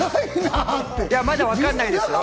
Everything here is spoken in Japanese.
まだ分かんないですよ。